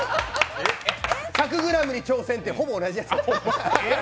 １００ｇに挑戦ってほぼ同じのやってました。